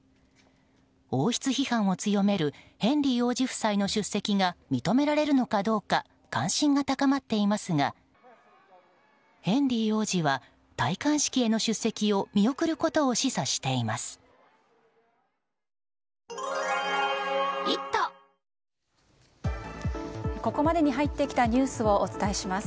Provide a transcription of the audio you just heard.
王室批判を強めるヘンリー王子夫妻の出席が認められるのかどうか関心が高まっていますがヘンリー王子は戴冠式への出席を見送ることを示唆しています。